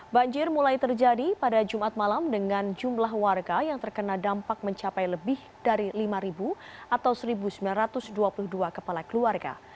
banjir mulai terjadi pada jumat malam dengan jumlah warga yang terkena dampak mencapai lebih dari lima atau satu sembilan ratus dua puluh dua kepala keluarga